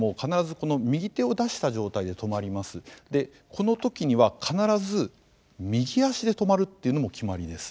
この時には必ず右足で止まるっていうのも決まりです。